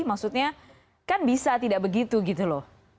maksudnya kan bisa tidak begitu gitu loh